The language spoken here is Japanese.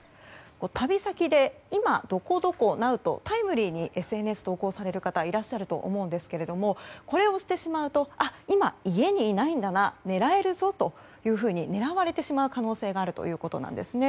旅先で今、どこどこなうとタイムリーにＳＮＳに投稿される方多いと思いますがこれをしてしまうと今、家にいないんだな狙えるぞというふうに狙われてしまう可能性があるということなんですね。